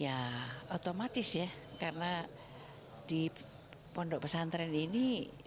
ya otomatis ya karena di pondok pesantren ini